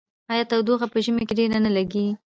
آیا تودوخه په ژمي کې ډیره نه لګیږي؟